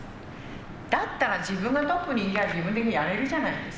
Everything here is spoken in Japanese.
だったら自分がトップにいきゃあ自分でやれるじゃないですか。